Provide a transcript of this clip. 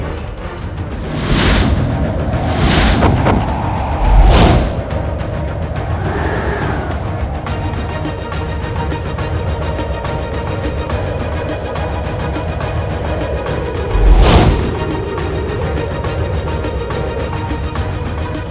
aku akan menemukan sosok asli